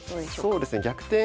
そうですね逆転